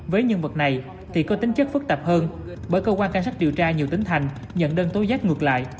với nhân vật này thì có tính chất phức tạp hơn bởi cơ quan cảnh sát điều tra nhiều tỉnh thành nhận đơn tối giác ngược lại